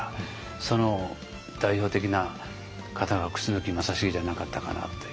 その代表的な方が楠木正成じゃなかったかなという。